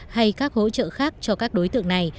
hay các hỗ trợ khác cho các đối tượng này